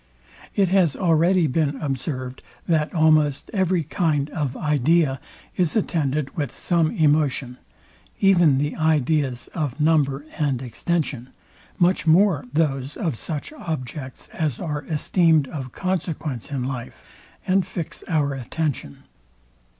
It has already been observed, that almost every kind of idea is attended with some emotion, even the ideas of number and extension, much more those of such objects as are esteemed of consequence in life, and fix our attention.